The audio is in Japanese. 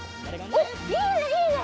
おっいいねいいね！